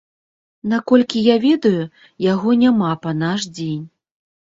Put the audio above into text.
Наколькі я ведаю, яго няма па наш дзень.